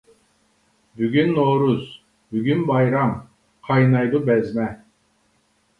بۈگۈن نورۇز، بۈگۈن بايرام، قاينايدۇ بەزمە.